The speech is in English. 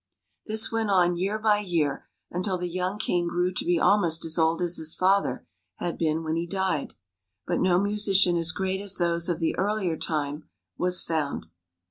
This went on year by year, until the young king grew to be almost as old as his father had been when he died, but no musician as great as those of the earlier time was found.